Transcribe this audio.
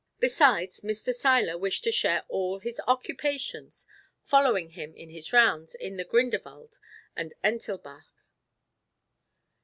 Besides, Mr. Seiler wished to share all his occupations, following him in his rounds in the Grinderwald and Entilbach.